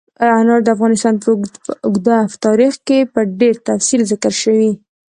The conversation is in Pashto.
انار د افغانستان په اوږده تاریخ کې په ډېر تفصیل ذکر شوي.